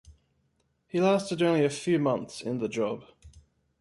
He lasted only a few months in the job.